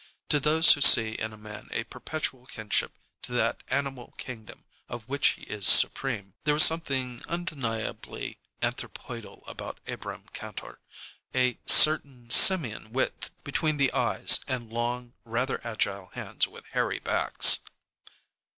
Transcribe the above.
To those who see in a man a perpetual kinship to that animal kingdom of which he is supreme, there was something undeniably anthropoidal about Abrahm Kantor, a certain simian width between the eyes and long, rather agile hands with hairy backs.